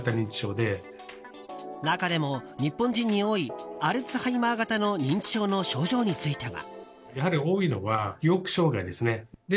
中でも日本人に多いアルツハイマー型の認知症の症状については。